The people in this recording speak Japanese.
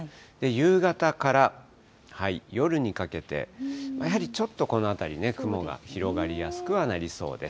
夕方から夜にかけて、やはりちょっとこの辺りね、雲が広がりやすくはなりそうです。